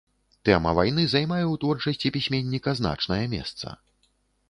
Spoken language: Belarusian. Тэма вайны займае ў творчасці пісьменніка значнае месца.